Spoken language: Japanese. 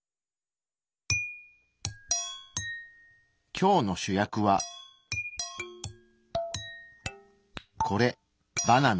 今日の主役はこれバナナ。